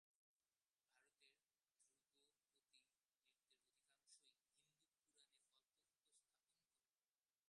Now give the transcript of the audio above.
ভারতের ধ্রুপদী নৃত্যের অধিকাংশই হিন্দু পুরাণের গল্প উপস্থাপন করে।